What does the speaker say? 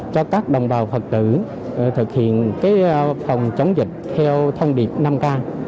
cho các đồng bào phật tử thực hiện phòng chống dịch theo thông điệp năm k